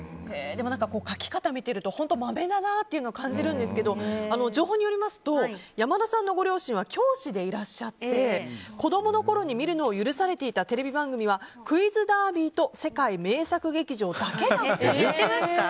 でも、書き方を見てるとマメだなっていうのを感じるんですけど情報によりますと山田さんのご両親は教師でいらっしゃって子供のころに見るのを許されていたテレビ番組は「クイズダービー」と知ってますか？